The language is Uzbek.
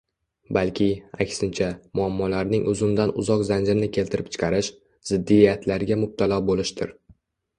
balki, aksincha, muammolarning uzundan-uzoq zanjirini keltirib chiqarish, ziddiyatlarga mubtalo bo‘lishdir.